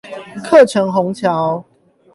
客城虹橋